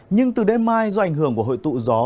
nhưng từ đêm mai do ảnh hưởng của hội tụ gió